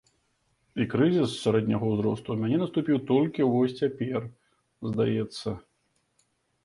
І крызіс сярэдняга ўзросту ў мяне наступіў толькі вось цяпер, здаецца.